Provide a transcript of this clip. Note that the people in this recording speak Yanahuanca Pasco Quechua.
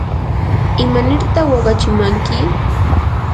¿imanirta waqachimanki?